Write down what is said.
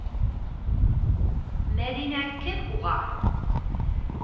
Мәҙинә кем уға?